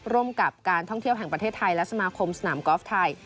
ร่วมกับการท่องเที่ยวแห่งประเทศไทยและสมาคมสนามกอล์ฟไทย